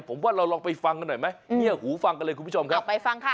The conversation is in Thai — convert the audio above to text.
ผมว่าเราลองไปฟังกันหน่อยไหมเงียบหูฟังกันเลยคุณผู้ชมครับไปฟังค่ะ